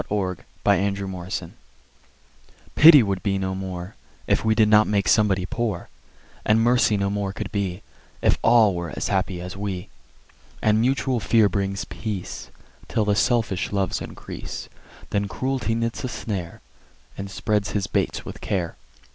The Human Abstract Pity would be no more If we did not make somebody Poor; And Mercy no more could be If all were as happy as we. And mutual fear brings peace, Till the selfish loves increase: Then Cruelty knits a snare, And spreads his baits with care.